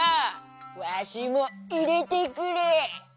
わしもいれてくれ」。